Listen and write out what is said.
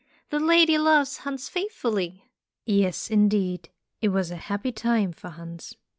The lady loves Hans faithfully." Yes, indeed, it was a happy time for Hans.